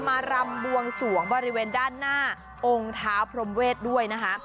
มารำบวงสวงบริเวณด้านหน้าองค์เท้าพรมเวทด้วยนะคะ